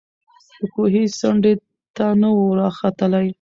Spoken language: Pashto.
د کوهي څنډي ته نه وو راختلی